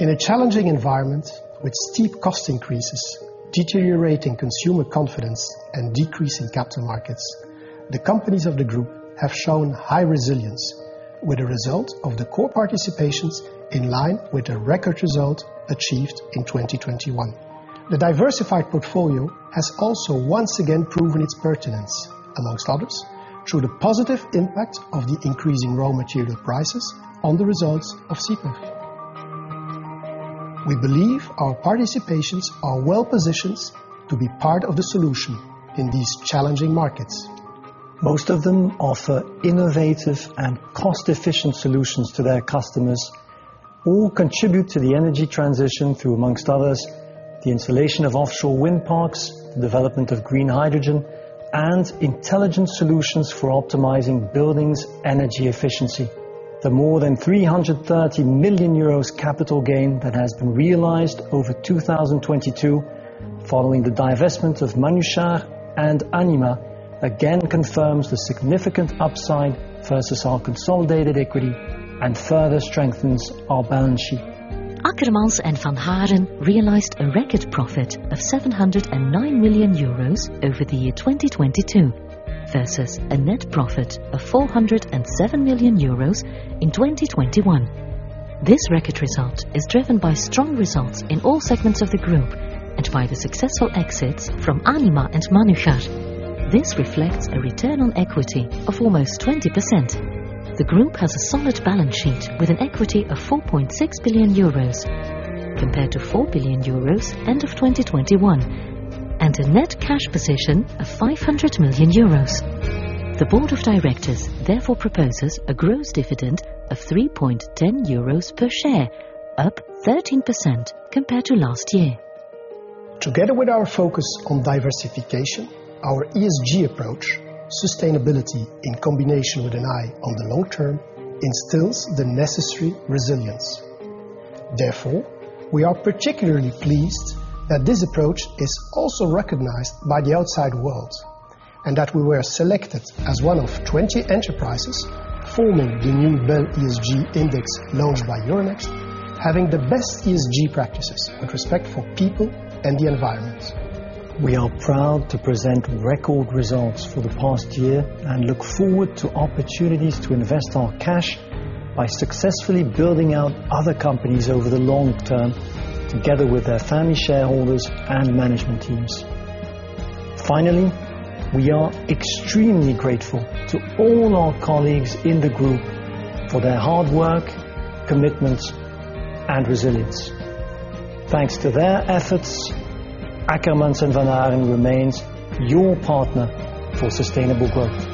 In a challenging environment with steep cost increases, deteriorating consumer confidence, and decreasing capital markets, the companies of the group have shown high resilience, with a result of the core participations in line with the record result achieved in 2021. The diversified portfolio has also once again proven its pertinence, among others, through the positive impact of the increasing raw material prices on the results of SIPEF. We believe our participations are well positioned to be part of the solution in these challenging markets. Most of them offer innovative and cost-efficient solutions to their customers, all contribute to the energy transition through, amongst others, the installation of offshore wind parks, development of green hydrogen, and intelligent solutions for optimizing buildings' energy efficiency. The more than 330 million euros capital gain that has been realized over 2022, following the divestment of Manuchar and Anima, again confirms the significant upside versus our consolidated equity and further strengthens our balance sheet. Ackermans & van Haaren realized a record profit of 709 million euros over the year 2022 versus a net profit of 407 million euros in 2021. This record result is driven by strong results in all segments of the group and by the successful exits from Anima and Manuchar. This reflects a return on equity of almost 20%. The group has a solid balance sheet with an equity of 4.6 billion euros compared to 4 billion euros end of 2021, and a net cash position of 500 million euros. The board of directors therefore proposes a gross dividend of 3.10 euros per share, up 13% compared to last year. Together with our focus on diversification, our ESG approach, sustainability in combination with an eye on the long term, instills the necessary resilience. We are particularly pleased that this approach is also recognized by the outside world, and that we were selected as one of 20 enterprises forming the new BEL ESG index launched by Euronext, having the best ESG practices with respect for people and the environment. We are proud to present record results for the past year and look forward to opportunities to invest our cash by successfully building out other companies over the long term, together with their family shareholders and management teams. We are extremely grateful to all our colleagues in the group for their hard work, commitment, and resilience. Thanks to their efforts, Ackermans & van Haaren remains your partner for sustainable growth.